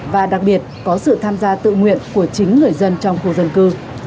và đặc biệt có sự tham gia tự nguyện của chính người dân trong khu dân cư